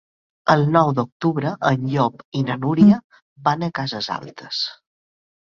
El nou d'octubre en Llop i na Núria van a Cases Altes.